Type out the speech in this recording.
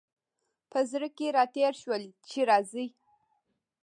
په زړه کي را تېر شول چي راځي !